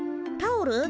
タオル？